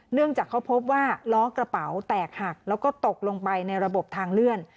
เนื่องจากเขาพบว่าล้อกระเป๋าแตกหักแล้วก็ตกลงไปในระบบทางเลื่อน